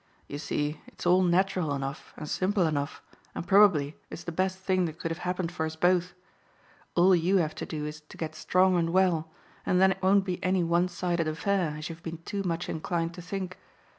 You see it's all natural enough and simple enough, and probably it's the best thing that could have happened for us both. All you have to do is to get strong and well, and then it won't be any one sided affair, as you've been too much inclined to think.